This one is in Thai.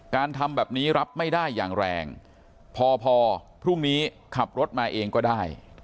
ทำแบบนี้รับไม่ได้อย่างแรงพอพอพรุ่งนี้ขับรถมาเองก็ได้